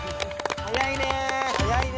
早いね。